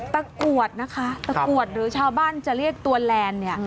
กรวดนะคะตะกรวดหรือชาวบ้านจะเรียกตัวแลนด์เนี่ย